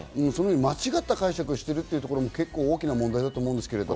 間違った解釈をしているというところも結構大きな問題だと思うんですけど。